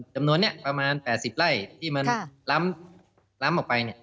จำนวนนี้ประมาณ๘๐ไร่ที่มันล้ำออกไป